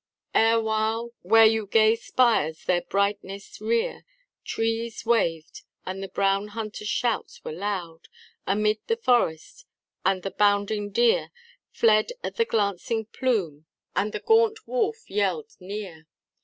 Erewhile, where yon gay spires their brightness rear, Trees waved, and the brown hunter's shouts were loud Amid the forest; and the bounding deer Fled at the glancing plume, and the gaunt wolf yell'd near.